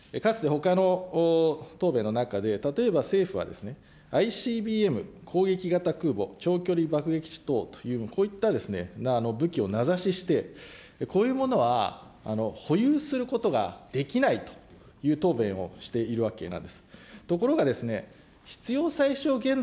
であるならば、かつてほかの答弁の中で、例えば政府はＩＣＢＭ、攻撃型空母、長距離爆撃地等という、こういったぶきをなざししてこういうものは保有することはできないという答弁をしているわけなんです。